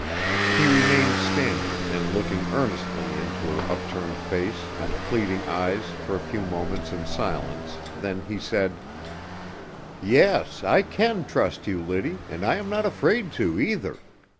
He remained standing and looking earnestly into her upturned face and pleading eyes for a few moments in silence; then he said: "Yes, I can trust you, Liddy, and I am not afraid to, either!